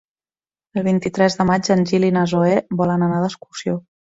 El vint-i-tres de maig en Gil i na Zoè volen anar d'excursió.